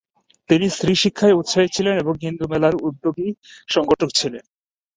তিনি স্ত্রীশিক্ষায় উৎসাহী ছিলেন এবং হিন্দুমেলার উদ্যোগী সংগঠক ছিলেন।